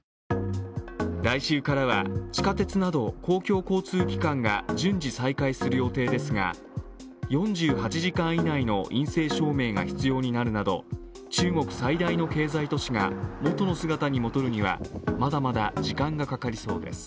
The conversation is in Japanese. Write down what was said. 来週からは地下鉄など公共交通機関が順次、再開する予定ですが４８時間以内の陰性証明が必要になるなど中国最大の経済都市が元の姿に戻るにはまだまだ時間がかかりそうです。